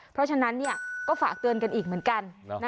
เพราะฉะนั้นก็ฝากเตือนกันอีกเหมือนกัน